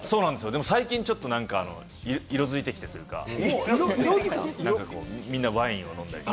最近、ちょっと色づいてきてというか、みんなワインを飲んだりとか。